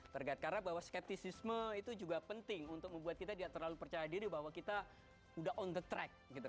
karena bahwa skeptisisme itu juga penting untuk membuat kita tidak terlalu percaya diri bahwa kita udah on the track